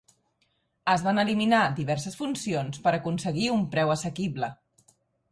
Es van eliminar diverses funcions per aconseguir un preu assequible.